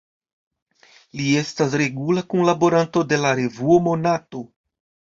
Li estas regula kunlaboranto de la revuo Monato.